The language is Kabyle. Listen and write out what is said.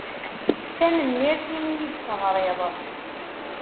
Tanemmirt i mi yi-d-teɣṛiḍ.